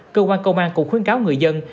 cơ quan công an cũng khuyến cáo người dân